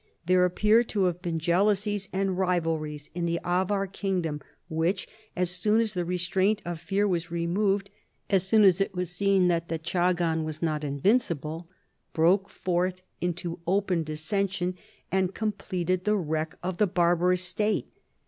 There appear to have been jealousies and rivalries in the Avar kingdom which, as soon as the restraint of fear was removed, as soon as it was seen that the chagan was not invincible, broke forth into open dissension and completed the wreck of the barbarous state.